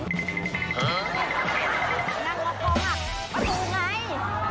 นั่งออกโมหักประทูไง